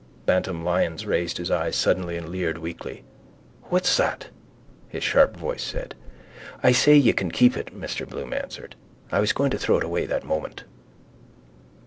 Bantam Lyons raised his eyes suddenly and leered weakly. —What's that? his sharp voice said. —I say you can keep it, Mr Bloom answered. I was going to throw it away that moment.